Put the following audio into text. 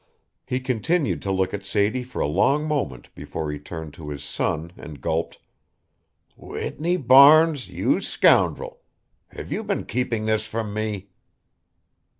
He continued to look at Sadie for a long moment before he turned to his son and gulped: "Whitney Barnes, you scoundrel have you been keeping this from me?"